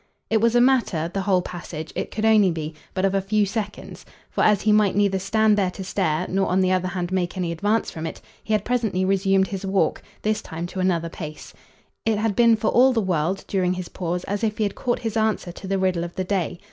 It was a matter, the whole passage it could only be but of a few seconds; for as he might neither stand there to stare nor on the other hand make any advance from it, he had presently resumed his walk, this time to another pace. It had been for all the world, during his pause, as if he had caught his answer to the riddle of the day.